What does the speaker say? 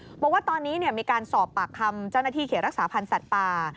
บอกว่าตอนนี้มีการสอบปากคำเจ้าหน้าที่เขตรักษาพันธ์สัตว์ป่า